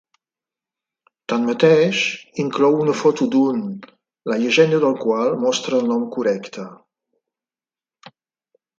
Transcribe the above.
Tanmateix, inclou una foto d'un, la llegenda del qual mostra el nom correcte.